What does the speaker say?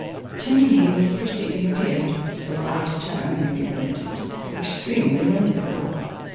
To me this proceeding appeared (if so light a term may be permitted) extremely whimsical.